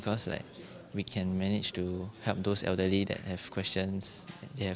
karena kami dapat membantu para orang tua yang mempunyai pertanyaan